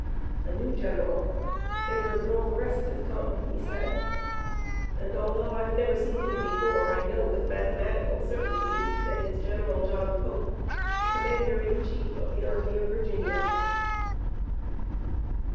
"A new general, bigger than all the rest, has come," he said, "and although I've never seen him before I know with mathematical certainty that it's General John Pope, commander in chief of the Army of Virginia."